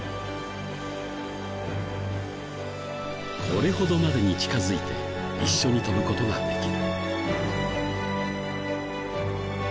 これほどまでに近づいて一緒に飛ぶ事ができる。